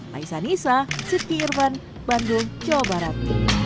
laisa nisa siti irvan bandung jawa barat